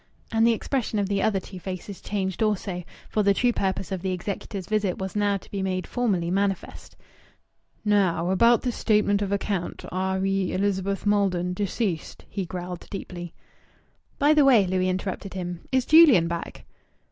And the expression of the other two faces changed also. For the true purpose of the executor's visit was now to be made formally manifest. "Now about this statement of account re Elizabeth Maldon, deceased," he growled deeply. "By the way," Louis interrupted him. "Is Julian back?"